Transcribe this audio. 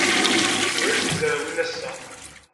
Ulac tizrawin ass-a.